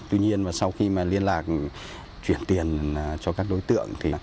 tuy nhiên sau khi liên lạc chuyển tiền cho các đối tượng